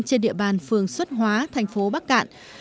trên địa bàn phường xuất hóa thành phố bắc cạn